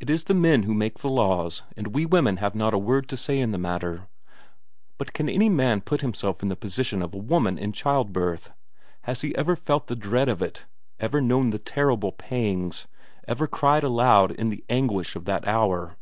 It is the men who make the laws, and we women have not a word to say in the matter. But can any man put himself in the position of a woman in childbirth? Has he ever felt the dread of it, ever known the terrible pangs, ever cried aloud in the anguish of that hour?